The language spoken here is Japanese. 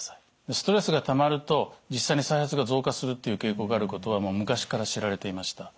ストレスがたまると実際に再発が増加するという傾向があることはもう昔から知られていました。